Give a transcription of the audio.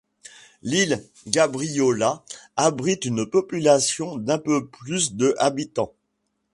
L'île Gabriola abrite une population d'un peu plus de habitants.